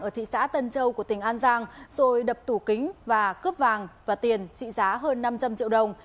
ở thị xã tân châu của tỉnh an giang rồi đập tủ kính và cướp vàng và tiền trị giá hơn năm trăm linh triệu đồng